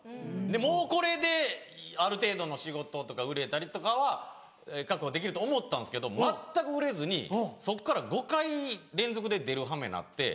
もうこれである程度の仕事とか売れたりとかは確保できると思ったんですけど全く売れずにそっから５回連続で出るはめなって。